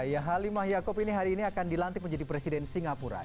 ya halimah yaakob ini hari ini akan dilantik menjadi presiden singapura